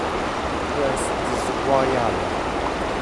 Tu es disloyal.